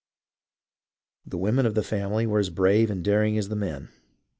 The women of the family were as brave and daring as the men.